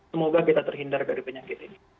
semoga kita terhindar dari penyakit ini